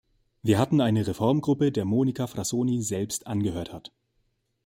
Wir hatten eine Reformgruppe, der Monica Frassoni selbst angehört hat.